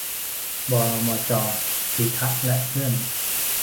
บมจ.ทีฆะและเพื่อน